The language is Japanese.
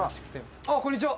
あっこんにちは。